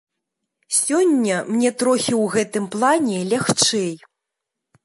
Сёння мне трохі ў гэтым плане лягчэй.